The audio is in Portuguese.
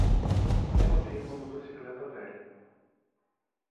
Ela tem uma motocicleta velha.